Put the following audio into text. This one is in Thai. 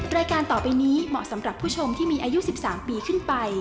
รายการต่อไปนี้เหมาะสำหรับผู้ชมที่มีอายุ๑๓ปีขึ้นไป